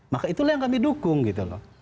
maka itulah yang kami dukung gitu loh